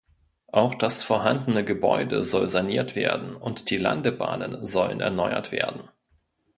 Auch das vorhandene Gebäude soll saniert werden und die Landebahnen sollen erneuert werden.